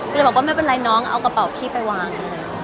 ก็เลยบอกว่าไม่เป็นไรน้องเอากระเป๋าพี่ไปวาง